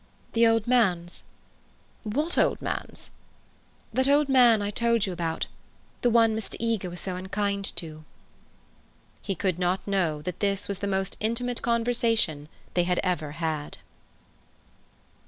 "The old man's." "What old man?" "That old man I told you about. The one Mr. Eager was so unkind to." He could not know that this was the most intimate conversation they had ever had.